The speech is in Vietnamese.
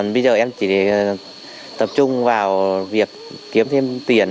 bây giờ em chỉ để tập trung vào việc kiếm thêm tiền